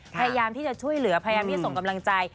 พยายามที่จะช่วยเหลือพยายามที่จะส่งกำลังใจ